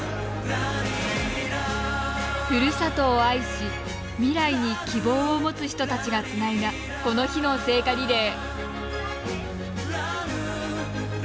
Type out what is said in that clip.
ふるさとを愛し、未来に希望を持つ人たちがつないだこの日の聖火リレー。